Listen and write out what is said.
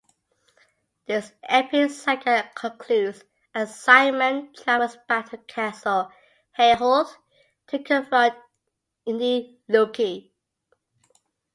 This epic saga concludes as Simon travels back to castle Hayholt to confront Ineluki.